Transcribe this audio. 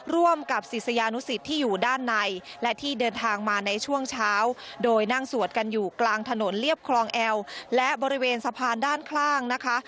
ร่วมกับศิษยานุสิตที่อยู่ด้านในและที่เดินทางมาในช่วงเช้าโดยนั่งสวดกันอยู่กลางถนนเรียบคลองแอลและบริเวณสะพานด้านข้างนะคะ